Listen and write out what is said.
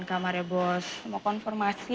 kamarnya bos mau konformasi